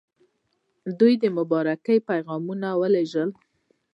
دوی د مبارکۍ پیغامونه ولېږل.